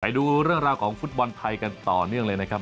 ดูเรื่องราวของฟุตบอลไทยกันต่อเนื่องเลยนะครับ